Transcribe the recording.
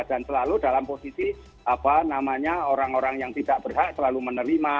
dan selalu dalam posisi apa namanya orang orang yang tidak berhak selalu menerima